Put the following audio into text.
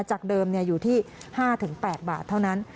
จากเดิมอยู่ที่๕๘บาทเท่านั้น